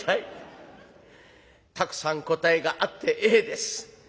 たくさん答えがあってええです。